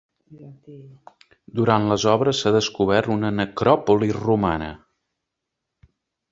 Durant les obres s'ha descobert una necròpoli romana.